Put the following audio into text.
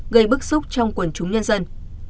gây bức xúc trong quần chúng nhân dân